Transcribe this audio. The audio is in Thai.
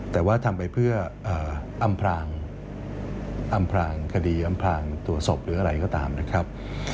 แต่ว่าทำไปเพื่ออำพลางคดีอำพลางตัวศพหรืออะไรก็ตามนะครับ